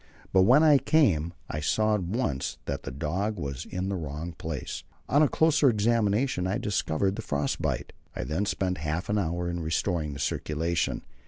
But when I came, I saw at once that the dog was in the wrong place. On a closer examination I discovered the frost bite. I then spent half an hour in restoring the circulation.